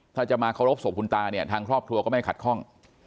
ถ้าจะมาเคารพศพคุณตาเนี่ยทางครอบครัวก็ไม่ขัดข้อง